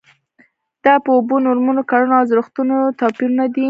دا په اوبو، نورمونو، کړنو او ارزښتونو کې توپیرونه دي.